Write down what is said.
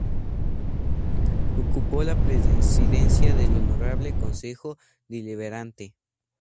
Ocupó la presidencia del Honorable Concejo Deliberante.